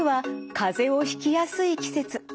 かぜをひきやすい季節。